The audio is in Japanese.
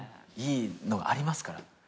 いいのがありますから。